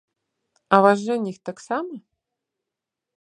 А ваш жаніх таксама?